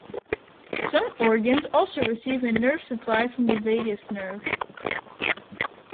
Some organs also receive a nerve supply from the vagus nerve.